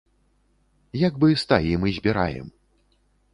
Як бы стаім і збіраем.